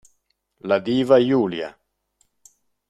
La diva Julia